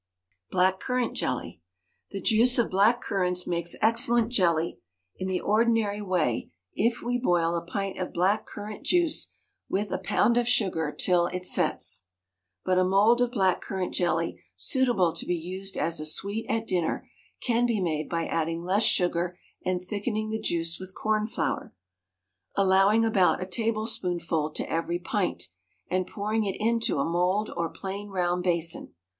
BLACK CURRANT JELLY. The juice of black currants makes excellent jelly in the ordinary way if we boil a pint of black currant juice with a pound of sugar till it sets; but a mould of black currant jelly suitable to be used as a sweet at dinner can be made by adding less sugar and thickening the juice with corn flour, allowing about a tablespoonful to every pint, and pouring it into a mould or plain round basin.